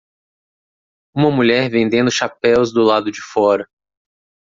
Uma mulher vendendo chapéus do lado de fora.